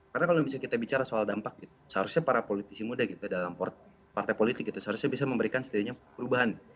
karena kalau bisa kita bicara soal dampak seharusnya para politisi muda dalam partai politik seharusnya bisa memberikan setidaknya perubahan